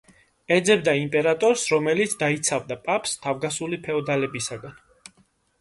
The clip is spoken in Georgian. ეძებდა იმპერატორს, რომელიც დაიცავდა პაპს თავგასული ფეოდალებისაგან.